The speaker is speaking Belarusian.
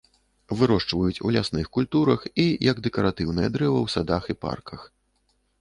Вырошчваюць у лясных культурах і як дэкаратыўнае дрэва ў садах і парках.